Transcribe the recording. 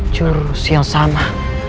jurus yang sama